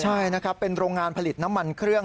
ใช่นะครับเป็นโรงงานผลิตน้ำมันเครื่อง